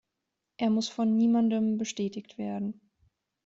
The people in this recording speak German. Er muss von niemandem bestätigt werden.